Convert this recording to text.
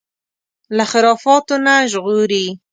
له خرافاتو نه ژغوري